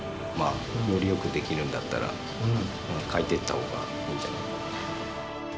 よりよくできるんだったら、変えていったほうがいいんじゃないかなと。